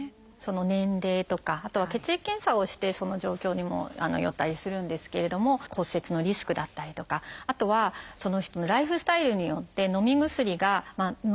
年齢とかあとは血液検査をしてその状況にもよったりするんですけれども骨折のリスクだったりとかあとはその人のライフスタイルによってのみ薬がのめない人。